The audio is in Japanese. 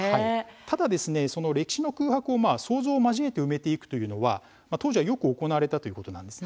ただ歴史の空白を想像を交えて埋めていくというのは当時よく行われていたということです。